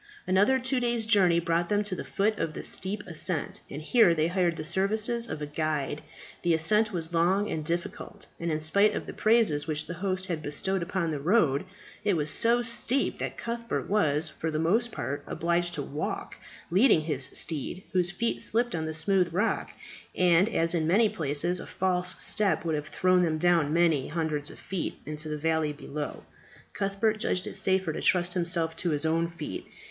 Another two days' journey brought them to the foot of the steep ascent, and here they hired the services of a guide. The ascent was long and difficult, and in spite of the praises which the host had bestowed upon the road, it was so steep that Cuthbert was, for the most part, obliged to walk, leading his steed, whose feet slipped on the smooth rock, and as in many places a false step would have thrown them down many hundreds of feet into the valley below, Cuthbert judged it safer to trust himself to his own feet.